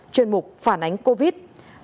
chuyên mục phản ánh covid